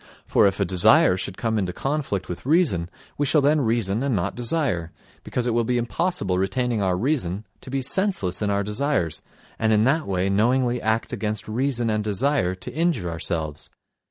For if a desire should come into conflict with reason we shall then reason and not desire, because it will be impossible retaining our reason to be senseless in our desires, and in that way knowingly act against reason and desire to injure ourselves.